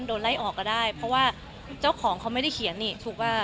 โดนไล่ออกก็ได้เพราะว่าเจ้าของเขาไม่ได้เขียนนี่ถูกป่ะ